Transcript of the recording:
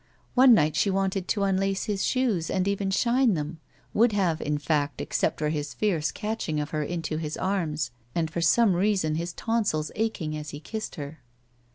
One night she wanted to unlace his shoes and even shine them — ^would have, in fact, except for his fierce catching of her into his arms and for some reason his tonsils aching as he kissed her.